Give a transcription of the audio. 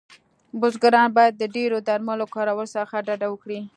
بزګران باید د ډیرو درملو کارولو څخه ډډه وکړی